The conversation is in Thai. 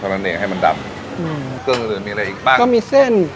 เพราะฉะนั้นเองให้มันดำอืมเครื่องมีอะไรอีกบ้างก็มีเส้น